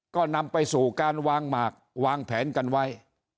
ก็นำไปสู่การวางหมากวางแผนกันไว้